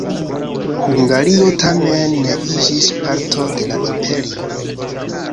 Hungario tamen ne iĝis parto de la imperio.